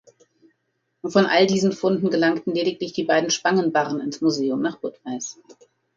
Von all diesen Funden gelangten lediglich die beiden Spangenbarren ins Museum nach Budweis.